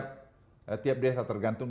tapi kita lihat tiap desa tergantung